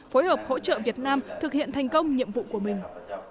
phối hợp hỗ trợ việt nam thực hiện thành công nhiệm vụ của mình